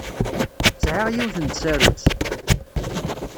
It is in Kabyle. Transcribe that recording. Sɛiɣ yiwet n tsarut.